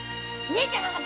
姉ちゃん傘。